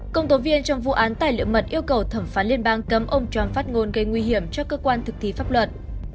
công tố viên trong vụ án tài liệu mật yêu cầu thẩm phán liên bang cấm ông trump phát ngôn gây nguy hiểm cho cơ quan thực thi pháp luật